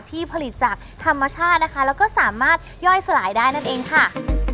ที่ผลิตจากธรรมชาตินะคะแล้วก็สามารถย่อยสลายได้นั่นเองค่ะ